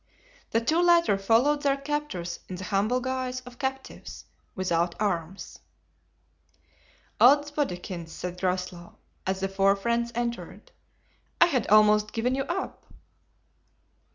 The two latter followed their captors in the humble guise of captives, without arms. "Od's bodikins," said Groslow, as the four friends entered, "I had almost given you up."